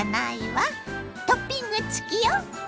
トッピング付きよ！